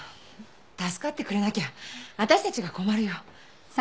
助かってくれなきゃわたしたちが困るよ。